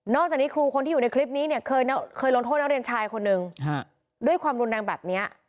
จากนี้ครูคนที่อยู่ในคลิปนี้เนี่ยเคยลงโทษนักเรียนชายคนนึงด้วยความรุนแรงแบบนี้